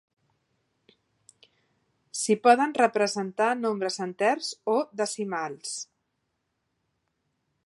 S'hi poden representar nombres enters o decimals.